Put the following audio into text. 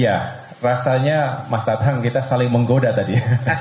ya rasanya mas tatang kita saling menggoda tadi